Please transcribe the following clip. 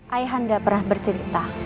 ayah anda pernah bercerita